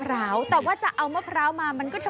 ประเพณีนี้ปกติก็จะมีการทำบุญและทำขนมมาเส้นวายบรรพบุรษกันมากมาย